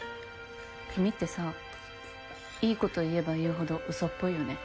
君ってさいいこと言えば言うほどうそっぽいよね。